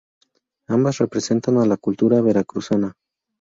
Ambas representan a la cultura veracruzana.